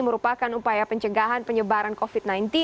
merupakan upaya pencegahan penyebaran covid sembilan belas